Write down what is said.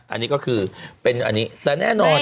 อันนี้ก็คือเป็นอันนี้แต่แน่นอน